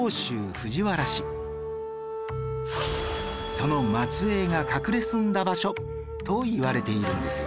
その末裔が隠れ住んだ場所といわれているんですよ